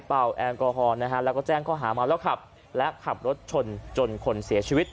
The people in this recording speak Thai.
เป่าแอลโกฮอลและแจ้งเขาหามาหลับขับและขับรถชนจนคนเสียชีวิต